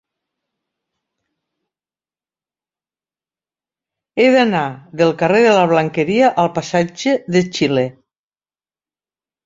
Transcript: He d'anar del carrer de la Blanqueria al passatge de Xile.